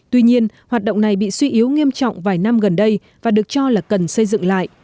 tuy nhiên hoạt động này bị suy yếu nghiêm trọng vài năm gần đây và được cho là cần xây dựng lại